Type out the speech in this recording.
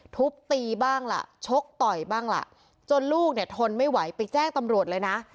ทุบตีบ้างล่ะชกต่อยบ้างล่ะจนลูกเนี่ยทนไม่ไหวไปแจ้งตำรวจเลยนะ